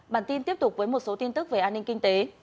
bản tin tiếp tục với một số tin tức về an ninh kinh tế